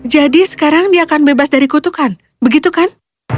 jadi sekarang dia akan bebas dari kutukan begitu kan